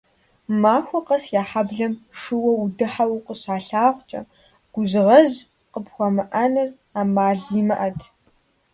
Махуэ къэс я хьэблэм шууэ удыхьэу укъыщалъагъукӀэ, гужьгъэжь къыпхуамыӀэныр Ӏэмал зимыӀэт.